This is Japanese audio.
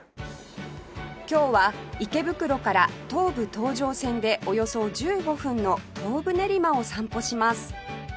今日は池袋から東武東上線でおよそ１５分の東武練馬を散歩します